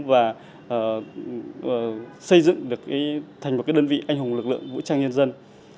và xây dựng được thành một đơn vị anh hùng lực lượng vũ trang nhân dân